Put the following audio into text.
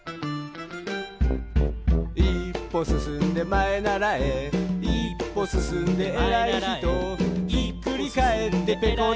「いっぽすすんでまえならえ」「いっぽすすんでえらいひと」「ひっくりかえってぺこり